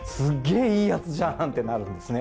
ぇいいやつじゃんってなるんですね。